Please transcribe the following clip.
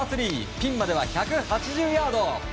ピンまでは１８０ヤード。